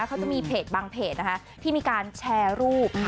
เขาจะมีเพจบางเพจนะคะที่มีการแชร์รูป